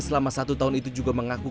selama satu tahun itu juga mengaku